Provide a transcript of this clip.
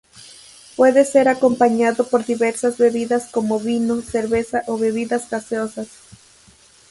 Puede ser acompañado por diversas bebidas como vino, cerveza o bebidas gaseosas.